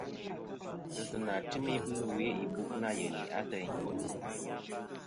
Ghesɨnà tɨm ibɨ we ìbu' nâ yeyni ateyn.